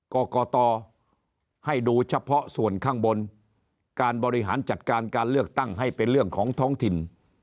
กรกตให้ดูเฉพาะส่วนข้างบนการบริหารจัดการการเลือกตั้งให้เป็นเรื่องของท้องถิ่น